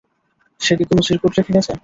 সে কি কোনো চিরকুট রেখে গেছে?